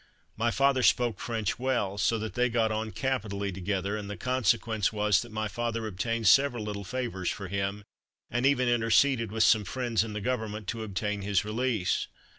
My father spoke French well, so that they got on capitally together, and the consequence was that my father obtained several little favours for him, and even interceded with some friends in the government to obtain his release.